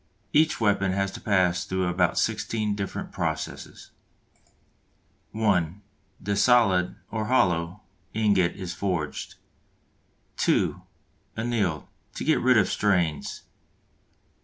Each weapon has to pass through about sixteen different processes: (1) The solid (or hollow) ingot is forged. (2) Annealed, to get rid of strains.